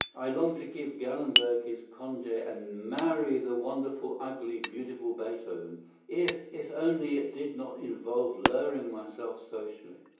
I long to give Gallenberg his congé and marry the wonderfully ugly, beautiful Beethoven, if—if only it did not involve lowering myself socially."